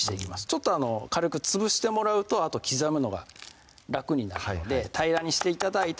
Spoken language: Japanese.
ちょっと軽く潰してもらうとあと刻むのが楽になるので平らにして頂いた